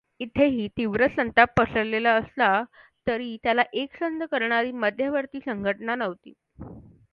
इथेही तीव्र संताप पसरलेला असला तरी त्याला एकसंध करणारी मध्यवतीर् संघटना नव्हती.